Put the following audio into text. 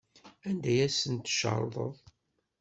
Anda ay asent-tcerḍeḍ?